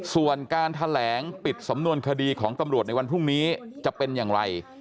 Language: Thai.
ส่วนการแถลงปิดสำนวนคดีของตำรวจในวันพรุ่งนี้จะเป็นอย่างไร